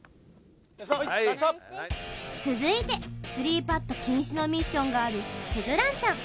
続いて３パット禁止のミッションがある鈴蘭ちゃん。